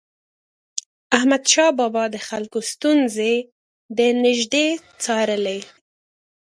احمدشاه بابا به د خلکو ستونزې د نژدي څارلي.